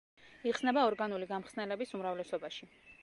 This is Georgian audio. იხსნება ორგანული გამხსნელების უმრავლესობაში.